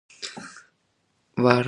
Wadasingilwa ni kubora zaidi.